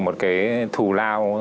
một cái thù lao